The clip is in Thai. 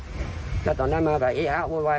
นั่นฮะลูกเมียอยู่ฝั่งนู้นลูกชายเปลี่ยมอยากจะห้ามพ่อก็ไม่ฝั่ง